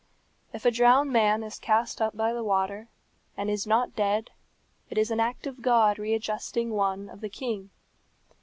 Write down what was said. "If a drowned man is cast up by the water, and is not dead, it is an act of God readjusting one of the king.